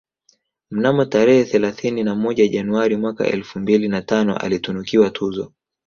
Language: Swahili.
Mnamo tarehe thelathini na moja Januari mwaka elfu mbili na tano alitunukiwa tuzo